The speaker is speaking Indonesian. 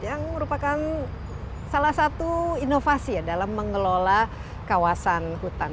yang merupakan salah satu inovasi ya dalam mengelola kawasan hutan